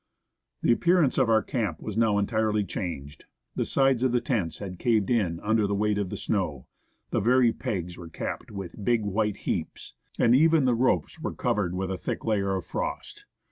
The appearance of our camp was now entirely changed. The sides of the tents had caved in under the weight of the snow, the very pegs were capped with big white heaps, and even the ropes 134 NEWTON GLACIER were covered with a thick layer of frost.